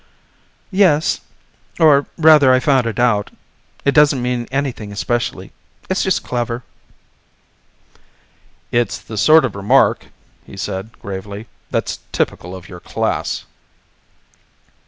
"Yes or rather I found it out. It doesn't mean anything especially. It's just clever." "It's the sort of remark," he said gravely, "that's typical of your class."